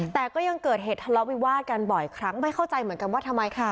แต่ก็ยังเกิดเหตุทะเลาะวิวาดกันบ่อยครั้งไม่เข้าใจเหมือนกันว่าทำไมค่ะ